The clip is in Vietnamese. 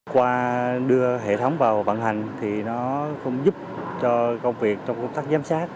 qua đưa hệ thống vào vận hành thì nó không giúp cho công việc trong công tác giám sát